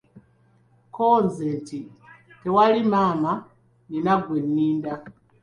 Ko nze nti, "tewali maama, nnina gwe nninda".